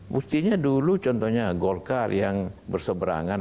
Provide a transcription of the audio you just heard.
mestinya dulu contohnya golkar yang berseberangan